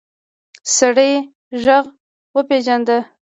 سړی غږ وپېژاند.